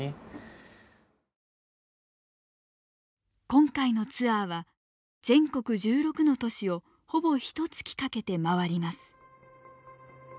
今回のツアーは全国１６の都市をほぼひと月かけて回ります。